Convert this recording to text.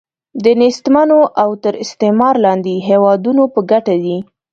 د نېستمنو او تر استعمار لاندې هیوادونو په ګټه دی.